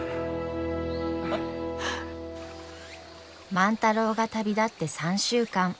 万太郎が旅立って３週間。